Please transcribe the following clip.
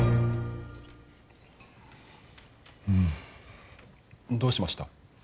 うん。どうしました？